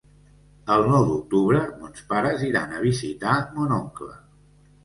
El nou d'octubre mons pares iran a visitar mon oncle.